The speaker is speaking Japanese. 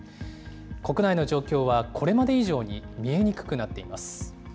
国内の状況はこれまで以上に見えにくくなっています。